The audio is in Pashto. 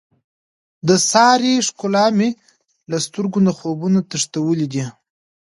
د سارې ښکلا مې له سترګو نه خوبونه تښتولي دي.